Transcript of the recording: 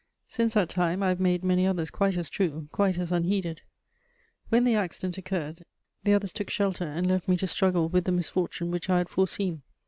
Since that time, I have made many others quite as true, quite as unheeded: when the accident occurred, the others took shelter and left me to struggle with the misfortune which I had foreseen.